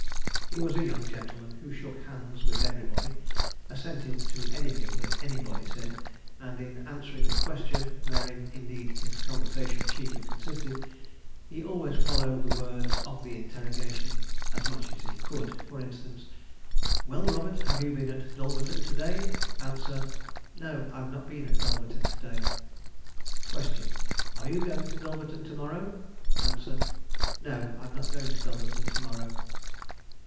He was a young gentleman who shook hands with everybody, assented to anything that anybody said, and in answering a question, wherein indeed his conversation chiefly consisted, he always followed the words of the interrogation as much as he could. For instance: 'Well, Robert, have you been at Dulverton to day?' Answer, 'No, I've not been at Dulverton to day.' Question, 'Are you going to Dulverton to morrow?' Answer, 'No, I'm not going to Dulverton to morrow.'